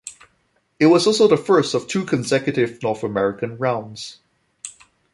It was also the first of two consecutive North American rounds.